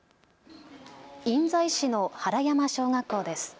印西市の原山小学校です。